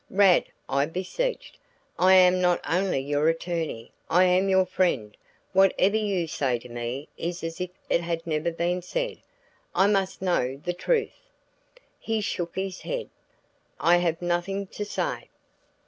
"Rad," I beseeched, "I am not only your attorney, I am your friend; whatever you say to me is as if it had never been said. I must know the truth." He shook his head. "I have nothing to say."